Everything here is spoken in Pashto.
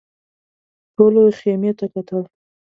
ټولو خيمې ته کتل.